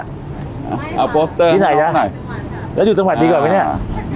อ่าโปสเตอร์ที่ไหนจ๊ะแล้วอยู่ตะวัดดีกว่าไหมเนี้ยอ่าน